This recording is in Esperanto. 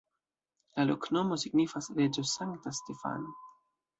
La loknomo signifas: reĝo-sankta-Stefano.